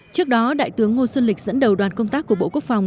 trước đó đại tướng ngô xuân lịch dẫn đầu đoàn công tác của bộ quốc phòng